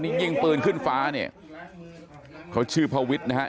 นี่ยิงปืนขึ้นฟ้าเนี่ยเขาชื่อพระวิทย์นะฮะ